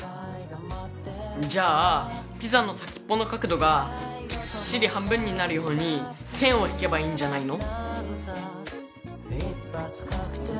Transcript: じゃあピザの先っぽの角度がきっちり半分になるように線を引けばいいんじゃないの？